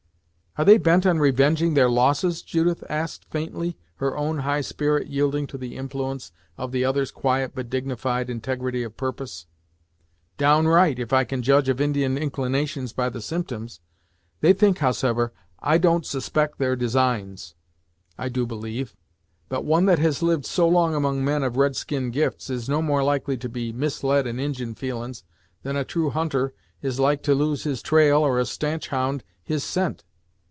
"Are they bent on revenging their losses?" Judith asked faintly, her own high spirit yielding to the influence of the other's quiet but dignified integrity of purpose. "Downright, if I can judge of Indian inclinations by the symptoms. They think howsever I don't suspect their designs, I do believe, but one that has lived so long among men of red skin gifts, is no more likely to be misled in Injin feelin's, than a true hunter is like to lose his trail, or a stanch hound his scent.